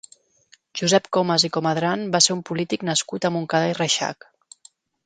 Josep Comas i Comadran va ser un polític nascut a Montcada i Reixac.